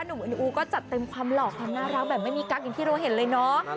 เอ็นอูก็จัดเต็มความหล่อความน่ารักแบบไม่มีกั๊กอย่างที่เราเห็นเลยเนาะ